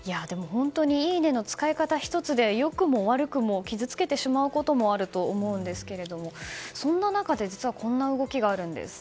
いいねの使い方１つで良くも悪くも傷つけてしまうこともあると思うんですがそんな中で実はこんな動きがあるんです。